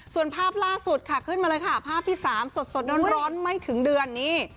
ส่วนภาพล่าสุดค่ะขึ้นมาเลยค่ะภาพที่๓สดร้อนไม่ถึงเดือนนี่